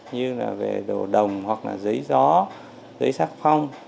như là về đồ đồng hoặc là giấy gió giấy xác phong